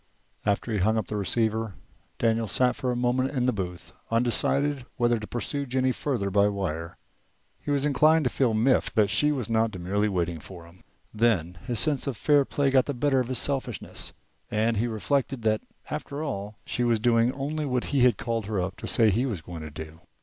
After he had hung up the receiver, Daniel sat for a moment in the booth, undecided whether to pursue Jennie further by wire. He was inclined to feel miffed that she was not demurely waiting for him. Then his sense of fair play got the better of his selfishness, and he reflected that after all she was doing only what he had called her up to say he was going to do.